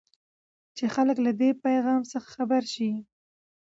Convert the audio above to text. چې خلک له دې پيفام څخه خبر شي.